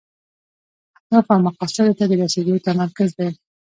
اهدافو او مقاصدو ته د رسیدو تمرکز دی.